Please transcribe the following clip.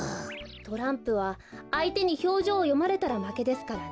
トランプはあいてにひょうじょうをよまれたらまけですからね。